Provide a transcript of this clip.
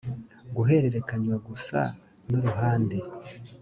guhererekanywa gusa n uruhande